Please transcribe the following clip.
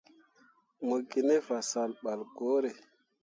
Mo gi ne fasah ɓal ŋwǝǝre.